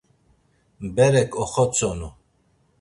Berek oxotzonu.